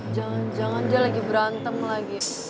jangan jangan dia lagi berantem lagi